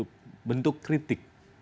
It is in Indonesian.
yang kecil dan saya kira itu adalah kritik